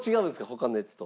他のやつと。